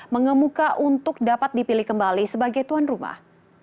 mengemuka untuk dapat dipilih kembali sebagai tuan rumah